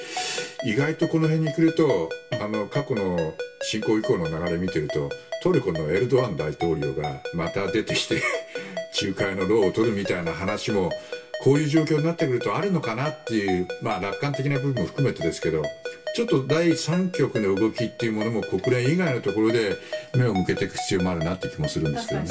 意外とこの辺に来ると過去の侵攻以降の流れを見ているとトルコのエルドアン大統領がまた出てきて仲介の労を取るみたいな話もこういう状況になってくるとあるのかなという楽観的な部分も含めてですけどちょっと第三極の動きというものも国連以外のところで目を向けていく必要もあるなという気はするんですけど。